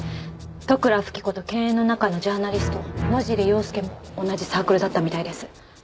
利倉富貴子と犬猿の仲のジャーナリスト野尻要介も同じサークルだったみたいです。